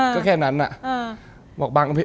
ก็แค่นั้น